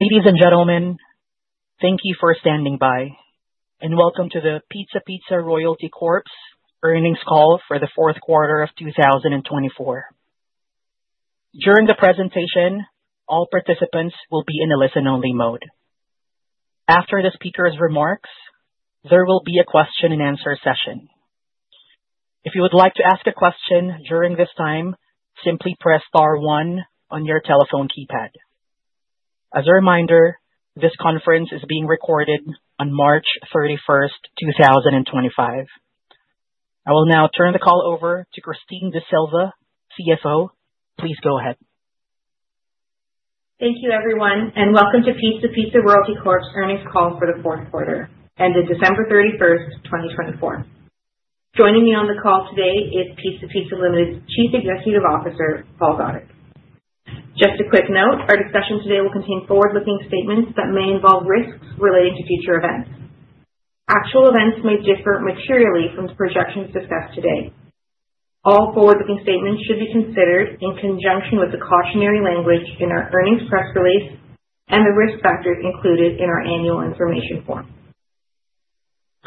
Ladies and gentlemen, thank you for standing by, and welcome to the Pizza Pizza Royalty Corp's earnings call for the fourth quarter of 2024. During the presentation, all participants will be in a listen-only mode. After the speaker's remarks, there will be a question-and-answer session. If you would like to ask a question during this time, simply press star one on your telephone keypad. As a reminder, this conference is being recorded on March 31, 2025. I will now turn the call over to Christine D'Sylva, CFO. Please go ahead. Thank you, everyone, and welcome to Pizza Pizza Royalty Corp's earnings call for the fourth quarter, ended December 31, 2024. Joining me on the call today is Pizza Pizza Limited's Chief Executive Officer, Paul Goddard. Just a quick note, our discussion today will contain forward-looking statements that may involve risks relating to future events. Actual events may differ materially from the projections discussed today. All forward-looking statements should be considered in conjunction with the cautionary language in our earnings press release and the risk factors included in our annual information form.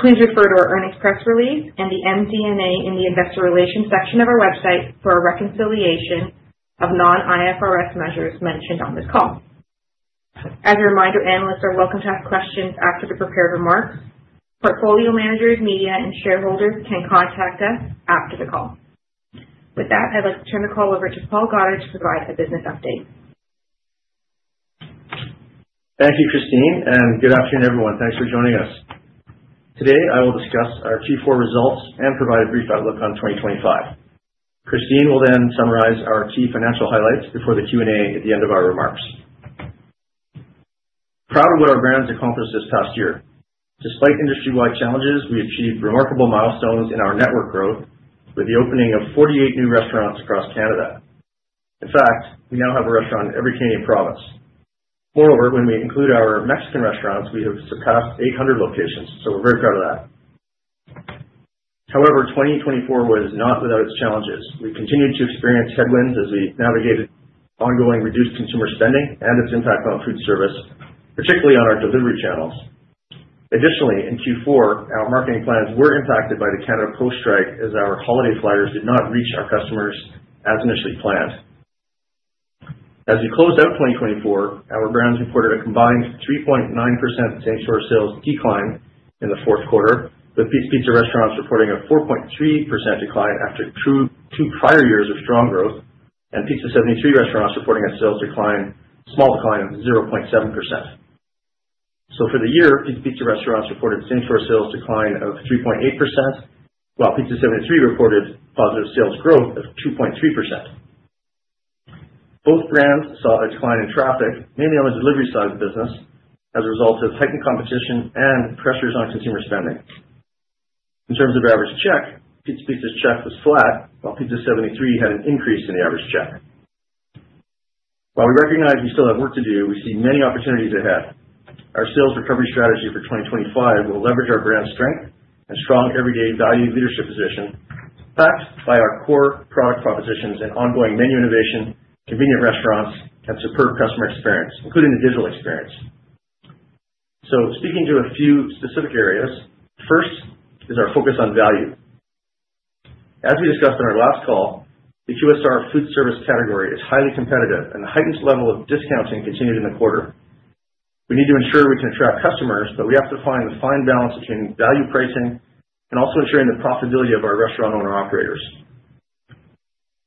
Please refer to our earnings press release and the MD&A in the investor relations section of our website for a reconciliation of non-IFRS measures mentioned on this call. As a reminder, analysts are welcome to ask questions after the prepared remarks. Portfolio managers, media, and shareholders can contact us after the call. With that, I'd like to turn the call over to Paul Goddard to provide a business update. Thank you, Christine, and good afternoon, everyone. Thanks for joining us. Today, I will discuss our Q4 results and provide a brief outlook on 2025. Christine will then summarize our key financial highlights before the Q&A at the end of our remarks. Proud of what our brands accomplished this past year. Despite industry-wide challenges, we achieved remarkable milestones in our network growth with the opening of 48 new restaurants across Canada. In fact, we now have a restaurant in every Canadian province. Moreover, when we include our Mexican restaurants, we have surpassed 800 locations, so we're very proud of that. However, 2024 was not without its challenges. We continued to experience headwinds as we navigated ongoing reduced consumer spending and its impact on food service, particularly on our delivery channels. Additionally, in Q4, our marketing plans were impacted by the Canada Post strike as our holiday flyers did not reach our customers as initially planned. As we closed out 2024, our brands reported a combined 3.9% same-store sales decline in the fourth quarter, with Pizza Pizza restaurants reporting a 4.3% decline after two prior years of strong growth, and Pizza 73 restaurants reporting a small decline of 0.7%. For the year, Pizza Pizza restaurants reported same-store sales decline of 3.8%, while Pizza 73 reported positive sales growth of 2.3%. Both brands saw a decline in traffic, mainly on the delivery side of the business, as a result of heightened competition and pressures on consumer spending. In terms of average check, Pizza Pizza's check was flat, while Pizza 73 had an increase in the average check. While we recognize we still have work to do, we see many opportunities ahead. Our sales recovery strategy for 2025 will leverage our brand strength and strong everyday value leadership position, backed by our core product propositions and ongoing menu innovation, convenient restaurants, and superb customer experience, including the digital experience. Speaking to a few specific areas, first is our focus on value. As we discussed in our last call, the QSR food service category is highly competitive, and the heightened level of discounting continued in the quarter. We need to ensure we can attract customers, but we have to find the fine balance between value pricing and also ensuring the profitability of our restaurant owner-operators.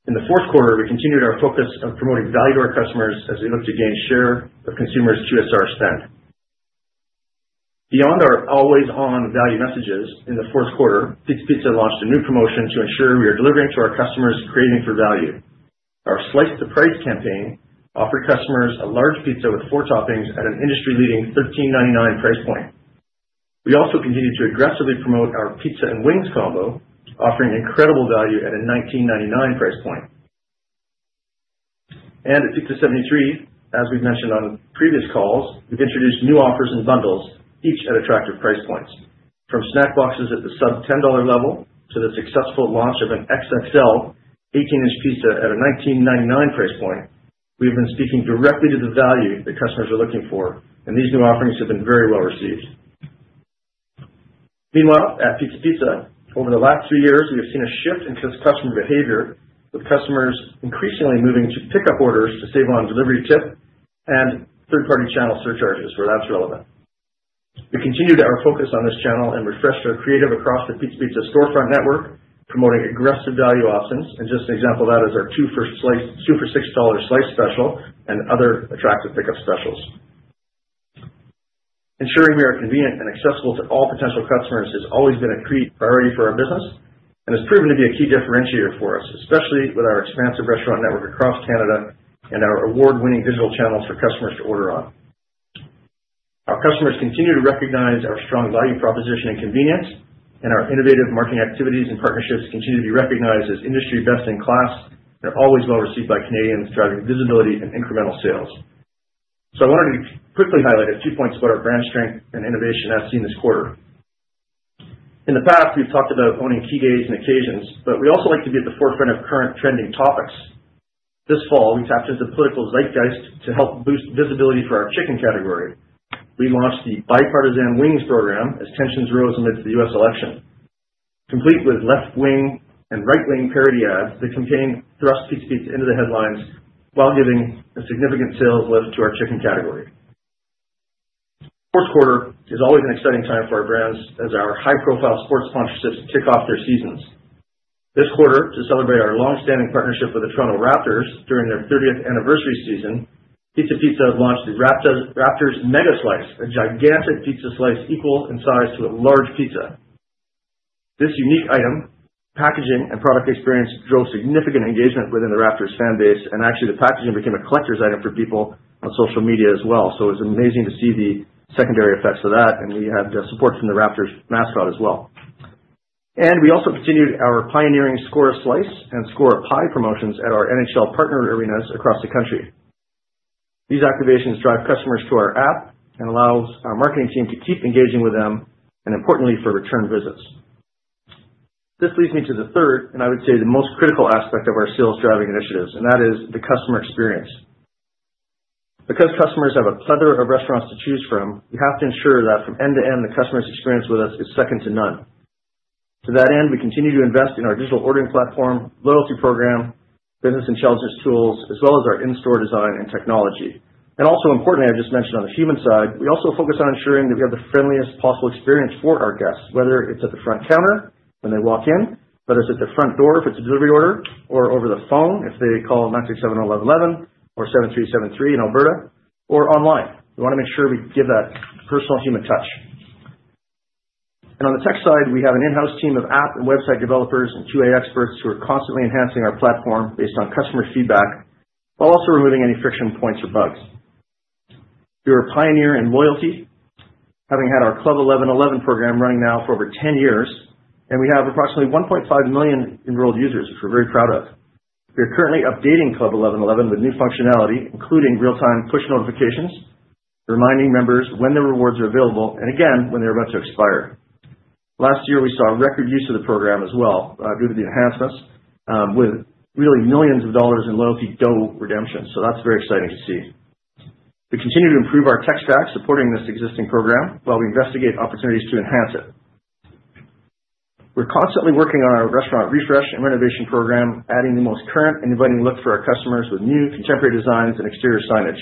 In the fourth quarter, we continued our focus on promoting value to our customers as we look to gain share of consumers' QSR spend. Beyond our always-on value messages, in the fourth quarter, Pizza Pizza launched a new promotion to ensure we are delivering to our customers craving for value. Our Slice of the Price campaign offered customers a large pizza with four toppings at an industry-leading CAD 13.99 price point. We also continued to aggressively promote our pizza and wings combo, offering incredible value at a 19.99 price point. At Pizza 73, as we've mentioned on previous calls, we've introduced new offers and bundles, each at attractive price points. From snack boxes at the sub-CAD 10 level to the successful launch of an XXL 18-inch pizza at a 19.99 price point, we have been speaking directly to the value that customers are looking for, and these new offerings have been very well received. Meanwhile, at Pizza Pizza, over the last three years, we have seen a shift in customer behavior, with customers increasingly moving to pickup orders to save on delivery tip and third-party channel surcharges where that's relevant. We continued our focus on this channel and refreshed our creative across the Pizza Pizza storefront network, promoting aggressive value options, and just an example of that is our two for $6 slice special and other attractive pickup specials. Ensuring we are convenient and accessible to all potential customers has always been a priority for our business and has proven to be a key differentiator for us, especially with our expansive restaurant network across Canada and our award-winning digital channels for customers to order on. Our customers continue to recognize our strong value proposition and convenience, and our innovative marketing activities and partnerships continue to be recognized as industry-best in class and are always well received by Canadians, driving visibility and incremental sales. I wanted to quickly highlight a few points about our brand strength and innovation as seen this quarter. In the past, we've talked about owning key days and occasions, but we also like to be at the forefront of current trending topics. This fall, we tapped into the political zeitgeist to help boost visibility for our chicken category. We launched the Bipartisan Wings Program as tensions rose amidst the U.S. election. Complete with left-wing and right-wing parody ads, the campaign thrust Pizza Pizza into the headlines while giving a significant sales lift to our chicken category. Fourth quarter is always an exciting time for our brands as our high-profile sports sponsorships kick off their seasons. This quarter, to celebrate our long-standing partnership with the Toronto Raptors during their 30th anniversary season, Pizza Pizza launched the Raptors Mega Slice, a gigantic pizza slice equal in size to a large pizza. This unique item, packaging and product experience, drove significant engagement within the Raptors fan base, and actually, the packaging became a collector's item for people on social media as well. It was amazing to see the secondary effects of that, and we had support from the Raptors mascot as well. We also continued our pioneering Score a Slice and Score a Pie promotions at our NHL partner arenas across the country. These activations drive customers to our app and allow our marketing team to keep engaging with them and, importantly, for return visits. This leads me to the third, and I would say the most critical aspect of our sales driving initiatives, and that is the customer experience. Because customers have a plethora of restaurants to choose from, we have to ensure that from end to end, the customer's experience with us is second to none. To that end, we continue to invest in our digital ordering platform, loyalty program, business intelligence tools, as well as our in-store design and technology. Importantly, I just mentioned on the human side, we also focus on ensuring that we have the friendliest possible experience for our guests, whether it's at the front counter when they walk in, whether it's at their front door if it's a delivery order, or over the phone if they call 967-1111 or 7373 in Alberta, or online. We want to make sure we give that personal human touch. On the tech side, we have an in-house team of app and website developers and QA experts who are constantly enhancing our platform based on customer feedback while also removing any friction points or bugs. We are a pioneer in loyalty, having had our Club 11-11 program running now for over 10 years, and we have approximately 1.5 million enrolled users, which we're very proud of. We are currently updating Club 11-11 with new functionality, including real-time push notifications, reminding members when the rewards are available and, again, when they're about to expire. Last year, we saw record use of the program as well due to the enhancements with really millions of dollars in Loyalty Dough redemption, so that's very exciting to see. We continue to improve our tech stack, supporting this existing program while we investigate opportunities to enhance it. We're constantly working on our restaurant refresh and renovation program, adding the most current and inviting look for our customers with new contemporary designs and exterior signage.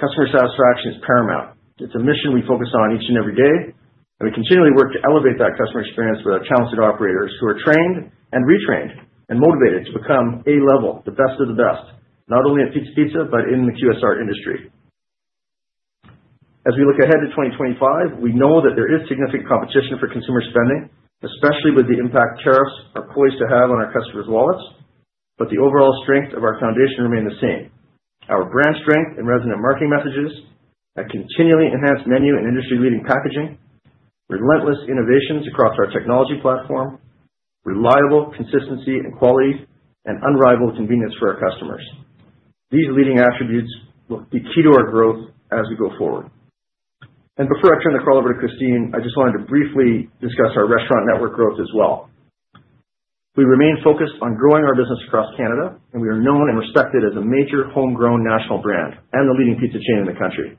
Customer satisfaction is paramount. It's a mission we focus on each and every day, and we continually work to elevate that customer experience with our talented operators who are trained and retrained and motivated to become A level, the best of the best, not only at Pizza Pizza but in the QSR industry. As we look ahead to 2025, we know that there is significant competition for consumer spending, especially with the impact tariffs are poised to have on our customers' wallets, but the overall strength of our foundation remains the same: our brand strength and resonant marketing messages, a continually enhanced menu and industry-leading packaging, relentless innovations across our technology platform, reliable consistency and quality, and unrivaled convenience for our customers. These leading attributes will be key to our growth as we go forward. Before I turn the call over to Christine, I just wanted to briefly discuss our restaurant network growth as well. We remain focused on growing our business across Canada, and we are known and respected as a major homegrown national brand and the leading pizza chain in the country.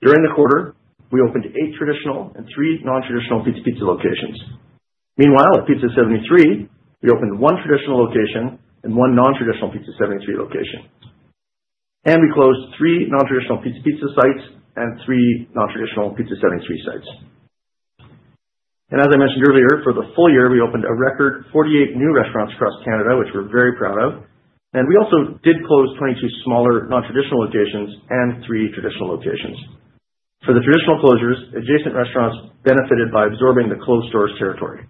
During the quarter, we opened eight traditional and three non-traditional Pizza Pizza locations. Meanwhile, at Pizza 73, we opened one traditional location and one non-traditional Pizza 73 location. We closed three non-traditional Pizza Pizza sites and three non-traditional Pizza 73 sites. As I mentioned earlier, for the full year, we opened a record 48 new restaurants across Canada, which we're very proud of. We also did close 22 smaller non-traditional locations and three traditional locations. For the traditional closures, adjacent restaurants benefited by absorbing the closed stores territory.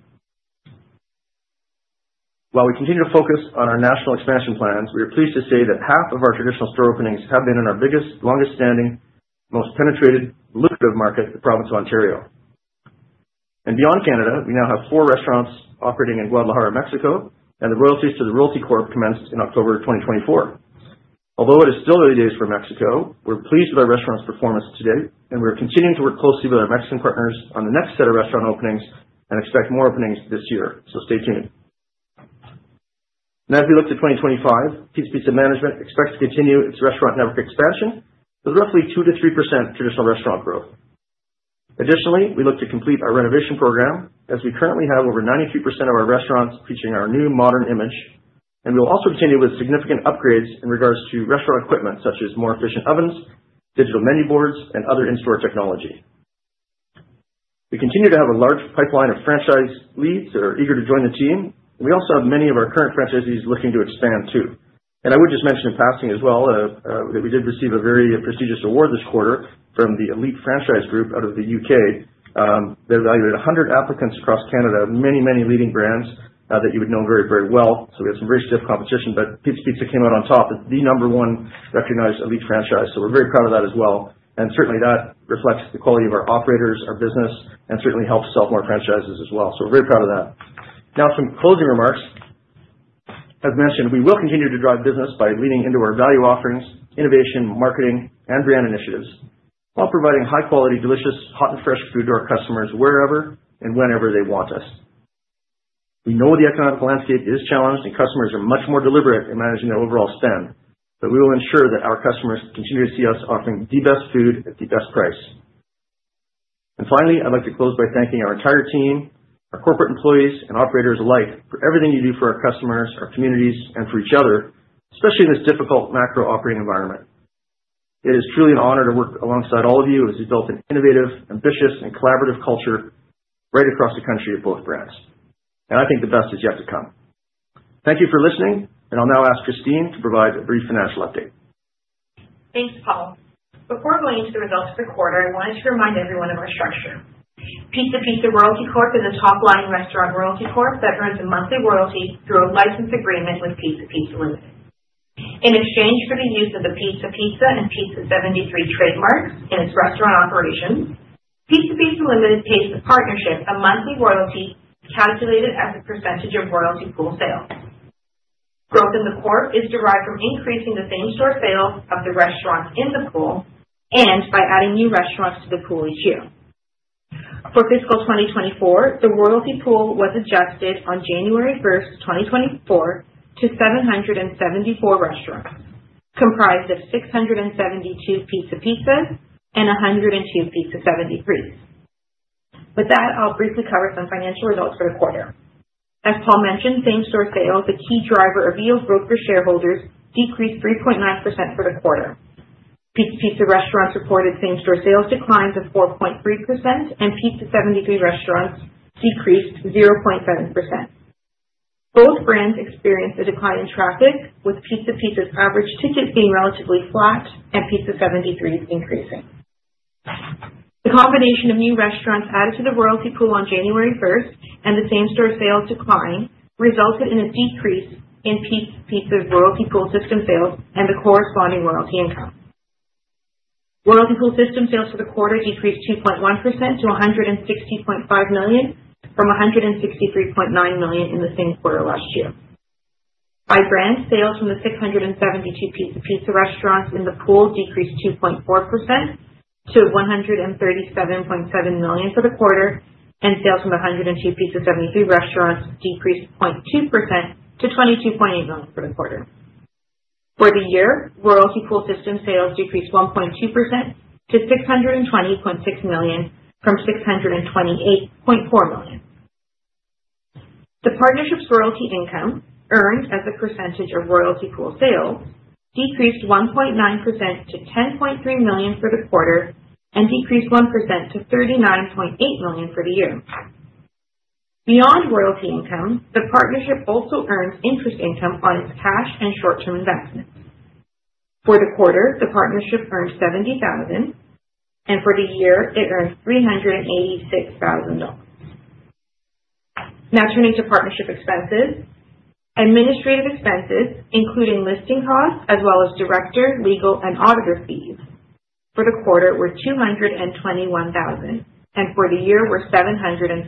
While we continue to focus on our national expansion plans, we are pleased to say that half of our traditional store openings have been in our biggest, longest-standing, most penetrated, lucrative market, the province of Ontario. Beyond Canada, we now have four restaurants operating in Guadalajara, Mexico, and the royalties to the royalty corp commenced in October 2024. Although it is still early days for Mexico, we're pleased with our restaurant's performance today, and we're continuing to work closely with our Mexican partners on the next set of restaurant openings and expect more openings this year, so stay tuned. As we look to 2025, Pizza Pizza Management expects to continue its restaurant network expansion with roughly 2%-3% traditional restaurant growth. Additionally, we look to complete our renovation program as we currently have over 93% of our restaurants featuring our new modern image, and we will also continue with significant upgrades in regards to restaurant equipment such as more efficient ovens, digital menu boards, and other in-store technology. We continue to have a large pipeline of franchise leads that are eager to join the team, and we also have many of our current franchisees looking to expand too. I would just mention in passing as well that we did receive a very prestigious award this quarter from the Elite Franchise Group out of the U.K. They evaluated 100 applicants across Canada, many, many leading brands that you would know very, very well. We had some very stiff competition, but Pizza Pizza came out on top as the number one recognized elite franchise, so we are very proud of that as well. Certainly, that reflects the quality of our operators, our business, and certainly helps sell more franchises as well. We are very proud of that. Now, some closing remarks. As mentioned, we will continue to drive business by leaning into our value offerings, innovation, marketing, and brand initiatives while providing high-quality, delicious, hot and fresh food to our customers wherever and whenever they want us. We know the economic landscape is challenged, and customers are much more deliberate in managing their overall spend, but we will ensure that our customers continue to see us offering the best food at the best price. Finally, I would like to close by thanking our entire team, our corporate employees, and operators alike for everything you do for our customers, our communities, and for each other, especially in this difficult macro-operating environment. It is truly an honor to work alongside all of you as we build an innovative, ambitious, and collaborative culture right across the country at both brands. I think the best is yet to come. Thank you for listening, and I'll now ask Christine to provide a brief financial update. Thanks, Paul. Before going into the results of the quarter, I wanted to remind everyone of our structure. Pizza Pizza Royalty Corp is a top-line restaurant royalty corp that earns a monthly royalty through a license agreement with Pizza Pizza Limited. In exchange for the use of the Pizza Pizza and Pizza 73 trademarks in its restaurant operations, Pizza Pizza Limited pays the partnership a monthly royalty calculated as a percentage of royalty pool sales. Growth in the corp is derived from increasing the same-store sales of the restaurants in the pool and by adding new restaurants to the pool each year. For fiscal 2024, the royalty pool was adjusted on January 1, 2024, to 774 restaurants, comprised of 672 Pizza Pizzas and 102 Pizza 73s. With that, I'll briefly cover some financial results for the quarter. As Paul mentioned, same-store sales, a key driver of yield growth for shareholders, decreased 3.9% for the quarter. Pizza Pizza restaurants reported same-store sales declines of 4.3%, and Pizza 73 restaurants decreased 0.7%. Both brands experienced a decline in traffic, with Pizza Pizza's average tickets being relatively flat and Pizza 73's increasing. The combination of new restaurants added to the royalty pool on January 1 and the same-store sales decline resulted in a decrease in Pizza Pizza's royalty pool system sales and the corresponding royalty income. Royalty pool system sales for the quarter decreased 2.1% to 160.5 million from 163.9 million in the same quarter last year. By brand, sales from the 672 Pizza Pizza restaurants in the pool decreased 2.4% to 137.7 million for the quarter, and sales from the 102 Pizza 73 restaurants decreased 0.2% to 22.8 million for the quarter. For the year, royalty pool system sales decreased 1.2% to 620.6 million from 628.4 million. The partnership's royalty income earned as a percentage of royalty pool sales decreased 1.9% to 10.3 million for the quarter and decreased 1% to 39.8 million for the year. Beyond royalty income, the partnership also earns interest income on its cash and short-term investments. For the quarter, the partnership earned 70,000, and for the year, it earned 386,000 dollars. Now, turning to partnership expenses, administrative expenses, including listing costs as well as director, legal, and auditor fees for the quarter were 221,000, and for the year, were 717,000.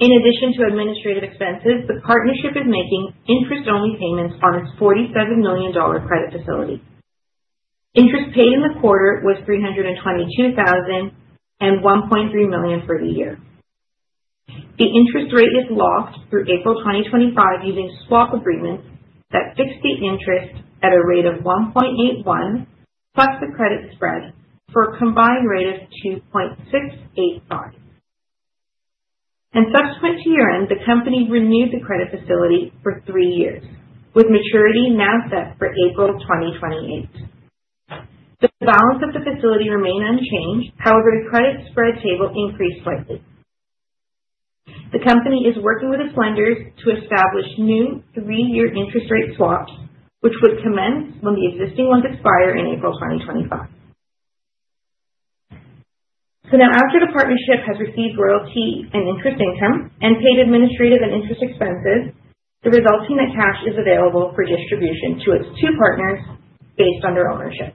In addition to administrative expenses, the partnership is making interest-only payments on its 47 million dollar credit facility. Interest paid in the quarter was 322,000 and 1.3 million for the year. The interest rate is locked through April 2025 using swap agreements that fix the interest at a rate of 1.81 plus the credit spread for a combined rate of 2.685. In subsequent years, the company renewed the credit facility for three years, with maturity now set for April 2028. The balance of the facility remained unchanged, however, the credit spread table increased slightly. The company is working with its lenders to establish new three-year interest rate swaps, which would commence when the existing ones expire in April 2025. Now, after the partnership has received royalty and interest income and paid administrative and interest expenses, the resulting net cash is available for distribution to its two partners based on their ownership.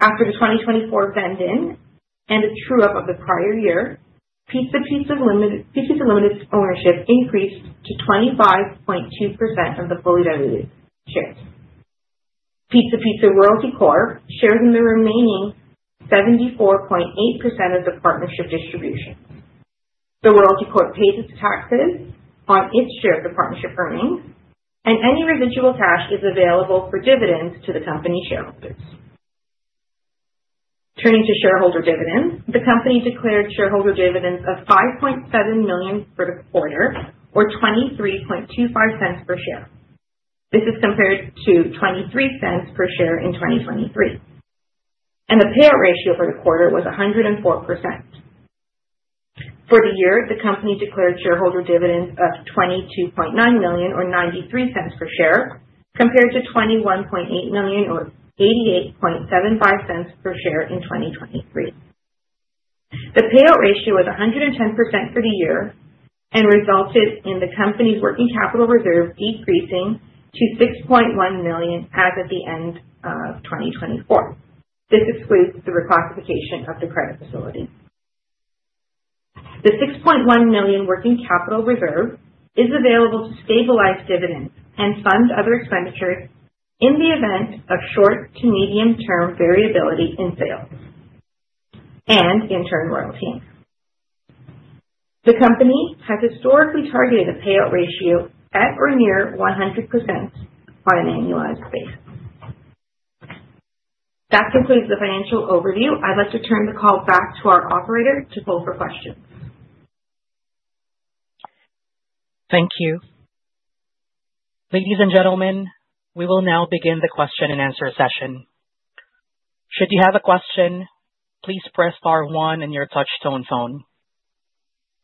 After the 2024 vending and a true-up of the prior year, Pizza Pizza Limited's ownership increased to 25.2% of the fully diluted shares. Pizza Pizza Royalty Corp shares in the remaining 74.8% of the partnership distribution. The royalty corp pays its taxes on its share of the partnership earnings, and any residual cash is available for dividends to the company shareholders. Turning to shareholder dividends, the company declared shareholder dividends of 5.7 million for the quarter, or 0.2325 per share. This is compared to 0.23 per share in 2023. The payout ratio for the quarter was 104%. For the year, the company declared shareholder dividends of 22.9 million, or 0.93 per share, compared to 21.8 million, or 0.8875 per share in 2023. The payout ratio was 110% for the year and resulted in the company's working capital reserve decreasing to 6.1 million as of the end of 2024. This excludes the reclassification of the credit facility. The 6.1 million working capital reserve is available to stabilize dividends and fund other expenditures in the event of short to medium-term variability in sales and in-turn royalty. The company has historically targeted a payout ratio at or near 100% on an annualized basis. That concludes the financial overview. I'd like to turn the call back to our operator to poll for questions. Thank you. Ladies and gentlemen, we will now begin the question and answer session. Should you have a question, please press star one in your touchstone phone.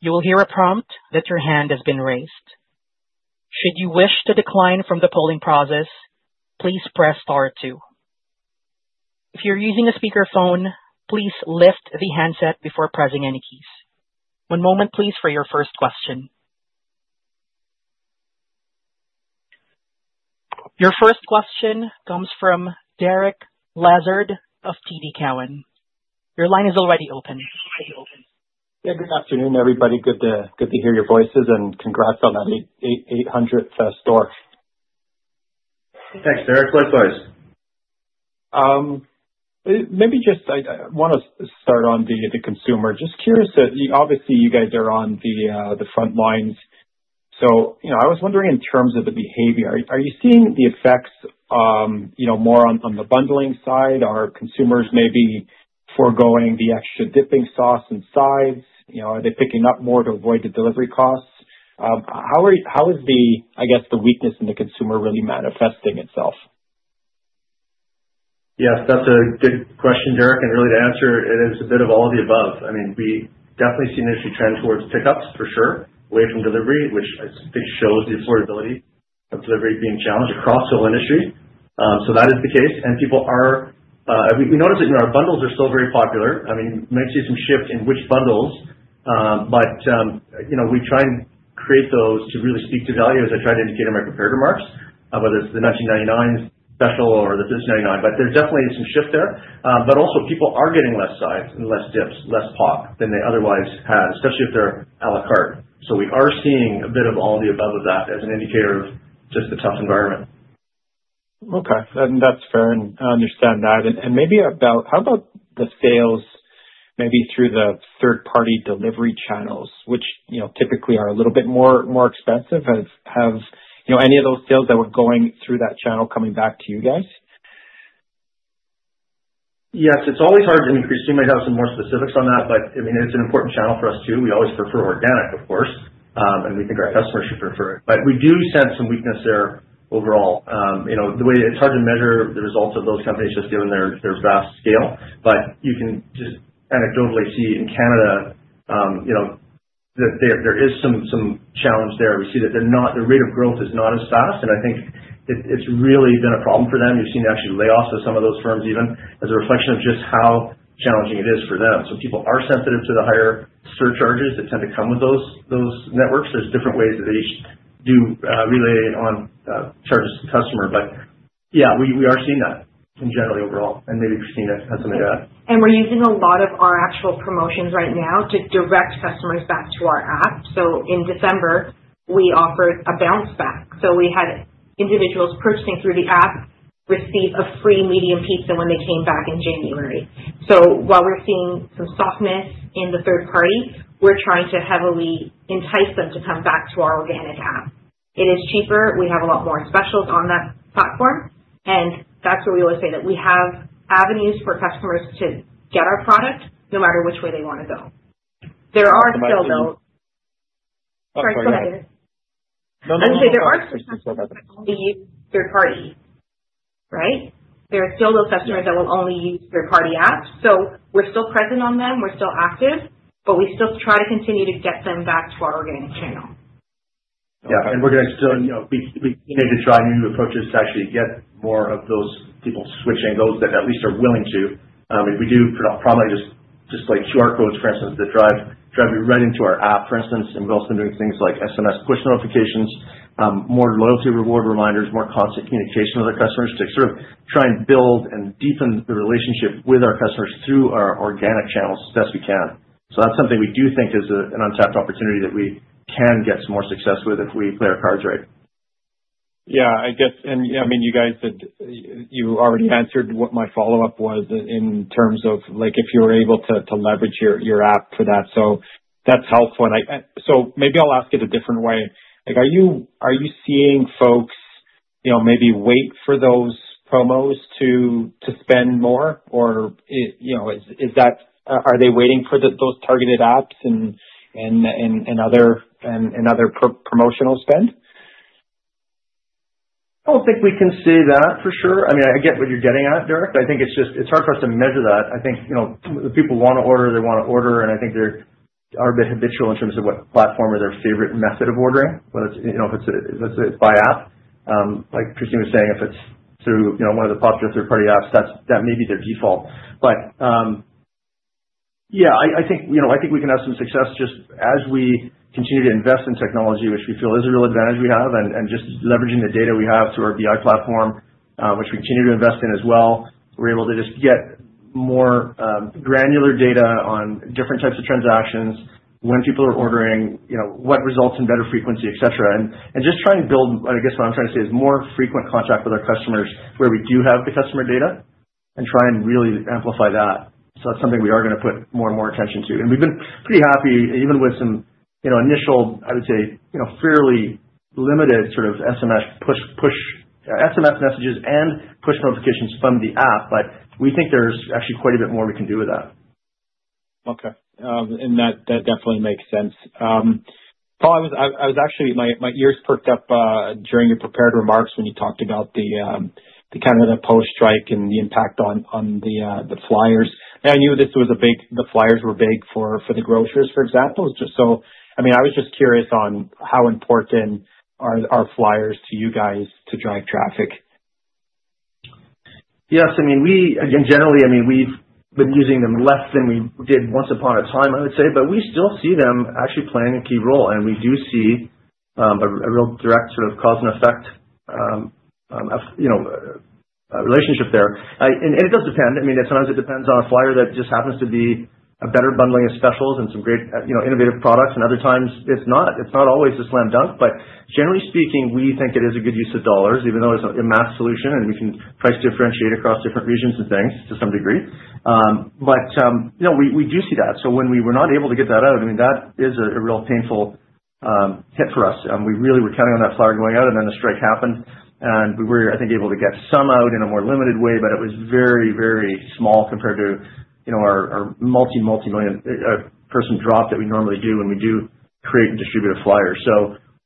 You will hear a prompt that your hand has been raised. Should you wish to decline from the polling process, please press star two. If you're using a speakerphone, please lift the handset before pressing any keys. One moment, please, for your first question. Your first question comes from Derek Lessard of TD Cowen. Your line is already open. Yeah, good afternoon, everybody. Good to hear your voices and congrats on that 800th store. Thanks, Derek. Likewise. Maybe just I want to start on the consumer. Just curious, obviously, you guys are on the front lines. I was wondering in terms of the behavior, are you seeing the effects more on the bundling side? Are consumers maybe foregoing the extra dipping sauce and sides? Are they picking up more to avoid the delivery costs? How is the, I guess, the weakness in the consumer really manifesting itself? Yes, that's a good question, Derek. Really, to answer, it is a bit of all of the above. I mean, we definitely see an industry trend towards pickups for sure, away from delivery, which I think shows the affordability of delivery being challenged across the whole industry. That is the case. People are—we notice that our bundles are still very popular. I mean, you might see some shift in which bundles, but we try and create those to really speak to value as I try to indicate in my prepared remarks, whether it's the 19.99 special or the 19.99. There's definitely some shift there. Also, people are getting less sides and less dips, less pop than they otherwise had, especially if they're à la carte. We are seeing a bit of all the above of that as an indicator of just the tough environment. Okay. That's fair. I understand that. Maybe about—how about the sales maybe through the third-party delivery channels, which typically are a little bit more expensive? Have any of those sales that were going through that channel come back to you guys? Yes. It's always hard to increase. You might have some more specifics on that, but I mean, it's an important channel for us too. We always prefer organic, of course, and we think our customers should prefer it. We do sense some weakness there overall. The way it's hard to measure the results of those companies just given their vast scale, but you can just anecdotally see in Canada that there is some challenge there. We see that their rate of growth is not as fast, and I think it's really been a problem for them. You've seen actually layoffs of some of those firms even as a reflection of just how challenging it is for them. People are sensitive to the higher surcharges that tend to come with those networks. There are different ways that they relay on charges to the customer. Yeah, we are seeing that in general overall. Maybe Christine has something to add. We're using a lot of our actual promotions right now to direct customers back to our app. In December, we offered a bounce back. We had individuals purchasing through the app receive a free medium pizza when they came back in January. While we're seeing some softness in the third party, we're trying to heavily entice them to come back to our organic app. It is cheaper. We have a lot more specials on that platform, and that's where we always say that we have avenues for customers to get our product no matter which way they want to go. There are still those—sorry, go ahead, Derek. No, no. I'm sorry. There are still customers that will only use third party, right? There are still those customers that will only use third-party apps. We are still present on them. We are still active, but we still try to continue to get them back to our organic channel. Yeah. We are going to still continue to try new approaches to actually get more of those people switching, those that at least are willing to. I mean, we do promptly display QR codes, for instance, that drive you right into our app, for instance. We're also doing things like SMS push notifications, more loyalty reward reminders, more constant communication with our customers to sort of try and build and deepen the relationship with our customers through our organic channels as best we can. That is something we do think is an untapped opportunity that we can get some more success with if we play our cards right. Yeah. I guess, and I mean, you guys had—you already answered what my follow-up was in terms of if you were able to leverage your app for that. That is helpful. Maybe I'll ask it a different way. Are you seeing folks maybe wait for those promos to spend more, or are they waiting for those targeted apps and other promotional spend? I don't think we can say that for sure. I mean, I get what you're getting at, Derek. I think it's hard for us to measure that. I think the people want to order, they want to order, and I think they are a bit habitual in terms of what platform is their favorite method of ordering, whether it's by app. Like Christine was saying, if it's through one of the popular third-party apps, that may be their default. Yeah, I think we can have some success just as we continue to invest in technology, which we feel is a real advantage we have, and just leveraging the data we have through our BI platform, which we continue to invest in as well. We're able to just get more granular data on different types of transactions, when people are ordering, what results in better frequency, etc. Just trying to build, I guess what I'm trying to say is more frequent contact with our customers where we do have the customer data and try and really amplify that. That is something we are going to put more and more attention to. We have been pretty happy even with some initial, I would say, fairly limited sort of SMS messages and push notifications from the app, but we think there is actually quite a bit more we can do with that. Okay. That definitely makes sense. Paul, I was actually—my ears perked up during your prepared remarks when you talked about the Canada Post strike and the impact on the flyers. I knew this was a big—the flyers were big for the grocers, for example. I mean, I was just curious on how important are flyers to you guys to drive traffic? Yes. I mean, generally, I mean, we've been using them less than we did once upon a time, I would say, but we still see them actually playing a key role. I mean, we do see a real direct sort of cause and effect relationship there. It does depend. I mean, sometimes it depends on a flyer that just happens to be a better bundling of specials and some great innovative products. Other times, it's not always a slam dunk. Generally speaking, we think it is a good use of dollars, even though it's a mass solution and we can price differentiate across different regions and things to some degree. We do see that. When we were not able to get that out, I mean, that is a real painful hit for us. We really were counting on that flyer going out, and then the strike happened. We were, I think, able to get some out in a more limited way, but it was very, very small compared to our multi-multi-million person drop that we normally do when we do create and distribute a flyer.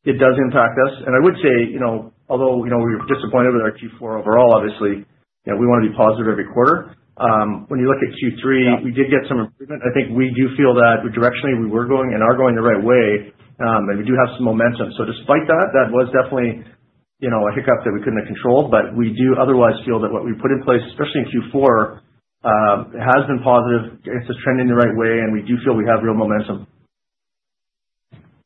It does impact us. I would say, although we were disappointed with our Q4 overall, obviously, we want to be positive every quarter. When you look at Q3, we did get some improvement. I think we do feel that directionally we were going and are going the right way, and we do have some momentum. Despite that, that was definitely a hiccup that we could not control. We do otherwise feel that what we put in place, especially in Q4, has been positive. It is trending the right way, and we do feel we have real momentum.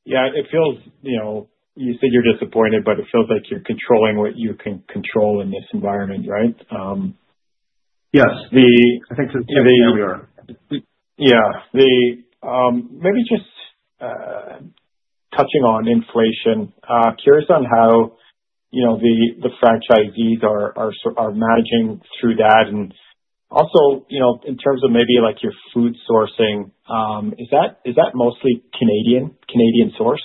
Yeah. It feels—you said you're disappointed, but it feels like you're controlling what you can control in this environment, right? Yes. I think that's the— yeah, we are. Yeah. Maybe just touching on inflation, curious on how the franchisees are managing through that. Also, in terms of maybe your food sourcing, is that mostly Canadian source?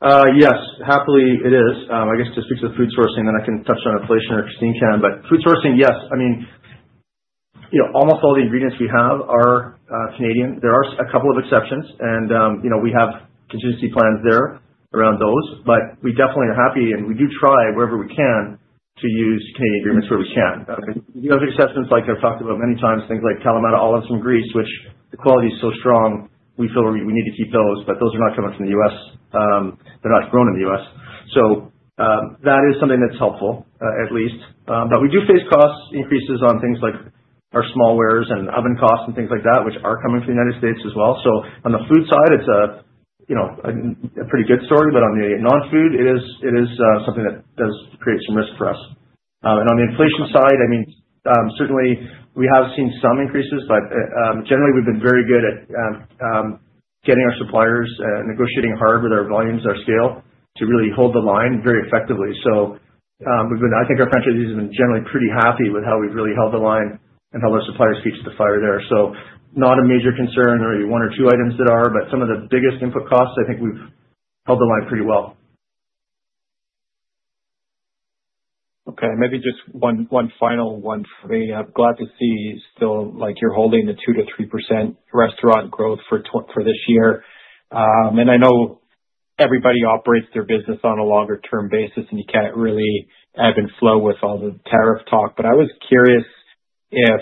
Yes. Happily, it is. I guess to speak to the food sourcing, then I can touch on inflation or Christine can. Food sourcing, yes. I mean, almost all the ingredients we have are Canadian. There are a couple of exceptions, and we have contingency plans there around those. We definitely are happy, and we do try wherever we can to use Canadian agreements where we can. Those accessories like I've talked about many times, things like Kalamata olives from Greece, which the quality is so strong, we feel we need to keep those. Those are not coming from the U.S. They're not grown in the U.S. That is something that's helpful, at least. We do face cost increases on things like our small wares and oven costs and things like that, which are coming from the United States as well. On the food side, it's a pretty good story. On the non-food, it is something that does create some risk for us. On the inflation side, I mean, certainly, we have seen some increases, but generally, we've been very good at getting our suppliers and negotiating hard with our volumes, our scale to really hold the line very effectively. I think our franchisees have been generally pretty happy with how we've really held the line and how our suppliers keep the fire there. Not a major concern or one or two items that are, but some of the biggest input costs, I think we've held the line pretty well. Okay. Maybe just one final one for me. I'm glad to see still you're holding the 2%-3% restaurant growth for this year. I know everybody operates their business on a longer-term basis, and you can't really ebb and flow with all the tariff talk. I was curious if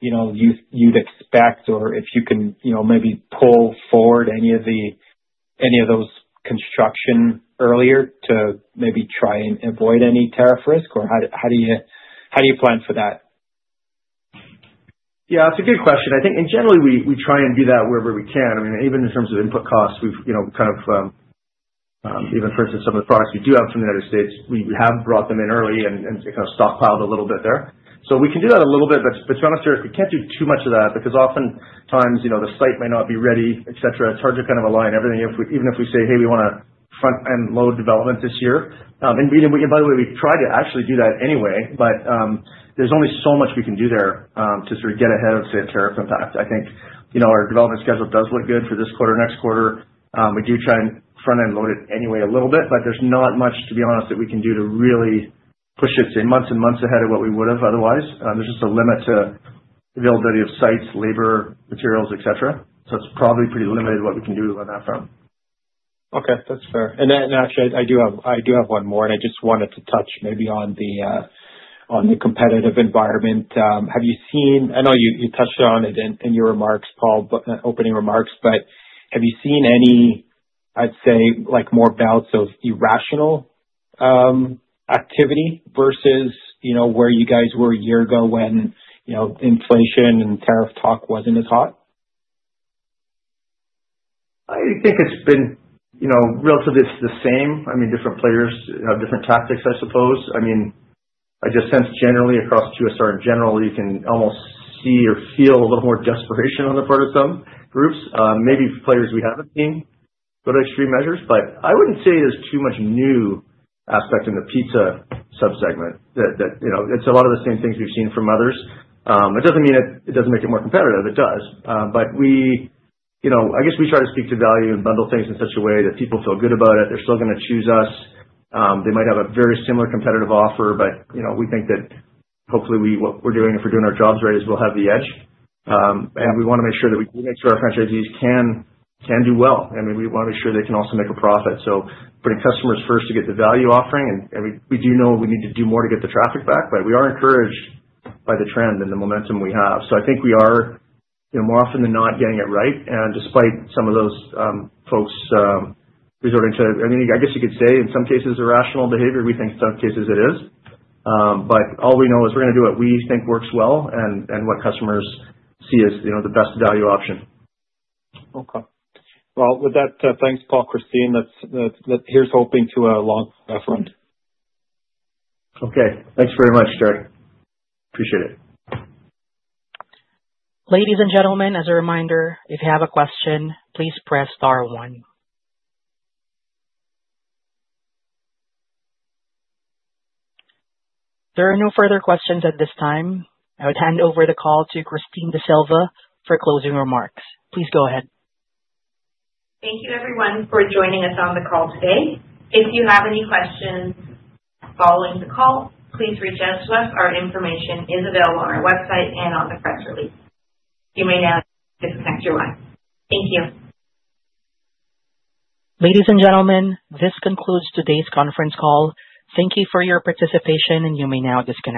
you'd expect or if you can maybe pull forward any of those construction earlier to maybe try and avoid any tariff risk, or how do you plan for that? Yeah. That's a good question. I think, and generally, we try and do that wherever we can. I mean, even in terms of input costs, we've kind of, even for instance, some of the products we do have from the United States, we have brought them in early and kind of stockpiled a little bit there. We can do that a little bit, but to be honest, Derek, we can't do too much of that because oftentimes the site might not be ready, etc. It's hard to kind of align everything, even if we say, "Hey, we want to front-end load development this year." By the way, we've tried to actually do that anyway, but there's only so much we can do there to sort of get ahead of, say, a tariff impact. I think our development schedule does look good for this quarter, next quarter. We do try and front-end load it anyway a little bit, but there's not much, to be honest, that we can do to really push it, say, months and months ahead of what we would have otherwise. There's just a limit to availability of sites, labor, materials, etc. It is probably pretty limited what we can do on that front. Okay. That's fair. Actually, I do have one more, and I just wanted to touch maybe on the competitive environment. Have you seen—I know you touched on it in your remarks, Paul, opening remarks, but have you seen any, I'd say, more bouts of irrational activity versus where you guys were a year ago when inflation and tariff talk was not as hot? I think it's been relatively the same. I mean, different players have different tactics, I suppose. I mean, I just sense generally across QSR in general, you can almost see or feel a little more desperation on the part of some groups, maybe players we have not seen go to extreme measures. I would not say there is too much new aspect in the pizza subsegment. It is a lot of the same things we have seen from others. It does not mean it does not make it more competitive. It does. I guess we try to speak to value and bundle things in such a way that people feel good about it. They are still going to choose us. They might have a very similar competitive offer, but we think that hopefully what we are doing if we are doing our jobs right is we will have the edge. We want to make sure that we make sure our franchisees can do well. I mean, we want to make sure they can also make a profit. Putting customers first to get the value offering. We do know we need to do more to get the traffic back, but we are encouraged by the trend and the momentum we have. I think we are more often than not getting it right. Despite some of those folks resorting to, I mean, I guess you could say in some cases irrational behavior, we think in some cases it is. All we know is we're going to do what we think works well and what customers see as the best value option. Okay. With that, thanks, Paul, Christine. Here's hoping to a long-term friend. Okay. Thanks very much, Derek. Appreciate it. Ladies and gentlemen, as a reminder, if you have a question, please press star one. There are no further questions at this time. I would hand over the call to Christine D'Sylva for closing remarks. Please go ahead. Thank you, everyone, for joining us on the call today. If you have any questions following the call, please reach out to us. Our information is available on our website and on the press release. You may now disconnect your line. Thank you. Ladies and gentlemen, this concludes today's conference call. Thank you for your participation, and you may now disconnect.